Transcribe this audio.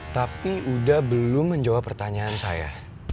tapi uda belum menjawab pertanyaan saya